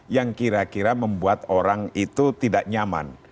yang kira kira membuat orang itu tidak nyaman